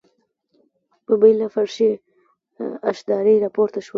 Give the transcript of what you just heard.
ببۍ له فرشي اشدارې راپورته شوه.